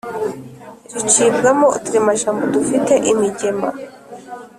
ricibwamo uturemajambo dufite imigema